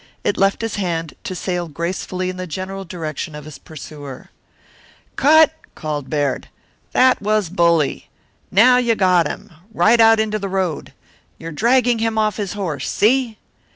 It left his hand, to sail gracefully in the general direction of his pursuer. "Cut!" called Baird. "That was bully. Now you got him. Ride out into the road. You're dragging him off his horse, see?